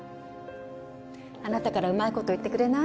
あなたからうまいこと言ってくれない？